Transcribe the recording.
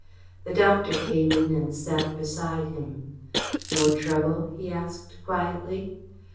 The doctor came in and sat beside him. "More trouble?" he asked quietly.